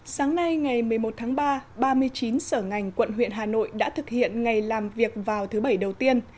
sáng nay ngày một mươi một tháng ba ba mươi chín sở ngành quận huyện hà nội đã thực hiện ngày làm việc vào thứ bảy đầu tiên